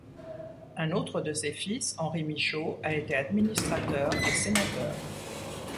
Un autre de ses fils, Henri Michaut, a été administrateur et sénateur.